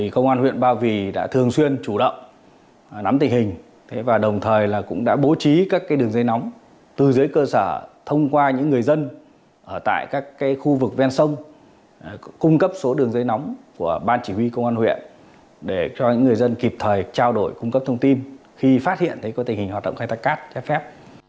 công an huyện ba vì đã thường xuyên chủ động nắm tình hình và đồng thời cũng đã bố trí các đường dây nóng từ dưới cơ sở thông qua những người dân ở tại các khu vực ven sông cung cấp số đường dây nóng của ban chỉ huy công an huyện để cho những người dân kịp thời trao đổi cung cấp thông tin khi phát hiện có tình hình hoạt động khai thác cát trái phép